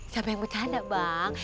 siapa yang bercanda bang